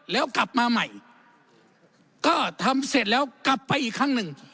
แล้วกลับมาใหม่ก็ทำเสร็จแล้วกลับไปอีกครั้งหนึ่ง